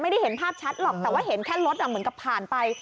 เห็นภาพชัดหรอกแต่ว่าเห็นแค่รถเหมือนกับผ่านไป